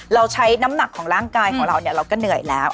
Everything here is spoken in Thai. เราใช้น้ำหนักของร่างกายของเราเนี่ยเราก็เหนื่อยแล้ว